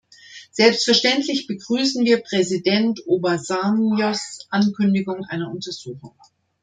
Selbstverständlich begrüßen wir Präsident Obasanjos Ankündigung einer Untersuchung.